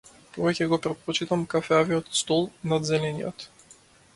Повеќе го претпочитам кафеавиот стол над зелениот.